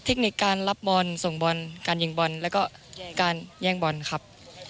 เทคนิคการรับบอลส่งบอลการยิงบอลแล้วก็การแย่งบอลครับ